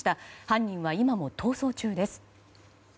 犯人は今も逃走中です。